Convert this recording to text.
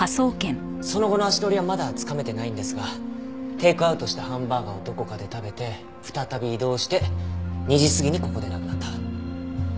その後の足取りはまだつかめてないんですがテイクアウトしたハンバーガーをどこかで食べて再び移動して２時過ぎにここで亡くなった。